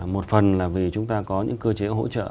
một phần là vì chúng ta có những cơ chế hỗ trợ